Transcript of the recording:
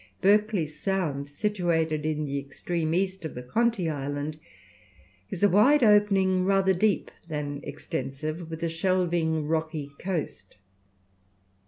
Berkeley Sound, situated in the extreme east of the Conti Island, is a wide opening, rather deep than extensive, with a shelving rocky coast.